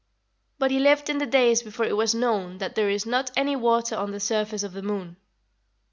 But he lived in the days before it was known that there is not any water on the surface of the moon.